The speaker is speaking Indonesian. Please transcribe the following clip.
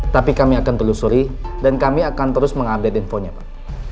tapi kami akan telusuri dan kami akan terus mengupdate infonya pak